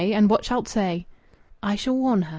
And what shalt say?" "I shall warn her.